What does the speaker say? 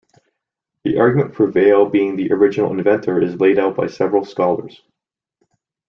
The argument for Vail being the original inventor is laid out by several scholars.